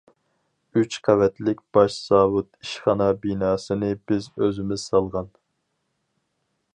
ئۈچ قەۋەتلىك باش زاۋۇت ئىشخانا بىناسىنى بىز ئۆزىمىز سالغان.